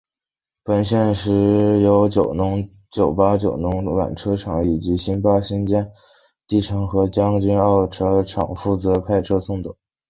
本线现时由九巴九龙湾车厂及新巴坚尼地城和将军澳车厂负责派车行走。